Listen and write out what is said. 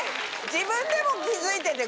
自分でも気付いてて。